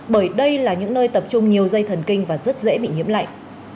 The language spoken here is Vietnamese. bởi đây là những nơi tập trung nhiều dây thần kinh và rất dễ bị nhiễm lạnh